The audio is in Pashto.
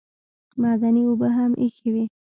معدني اوبه هم ایښې وې.